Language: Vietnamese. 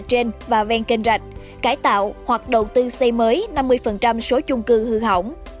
trên và ven kênh rạch cải tạo hoặc đầu tư xây mới năm mươi số chung cư hư hỏng